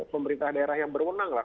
pemerintah daerah yang berwenang lah